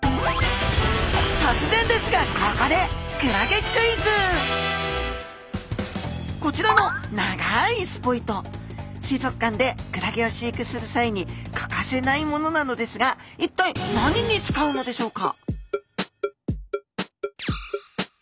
とつぜんですがここでこちらの水族館でクラゲを飼育する際に欠かせないものなのですがいったい何に使うのでしょうか？